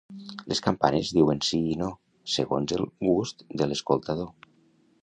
Les campanes diuen si i no, segons el gust de l'escoltador.